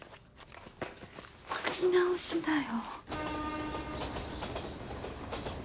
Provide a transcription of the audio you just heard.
書き直しだよ。